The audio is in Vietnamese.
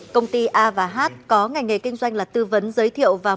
công ty a và h có ngành nghề kinh doanh là tư vấn giới thiệu và mô tả